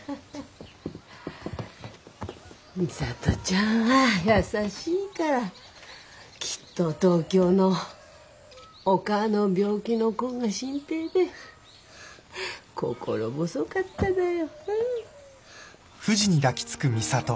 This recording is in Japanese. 美里ちゃんは優しいからきっと東京のおかあの病気のこんが心配で心細かっただよ。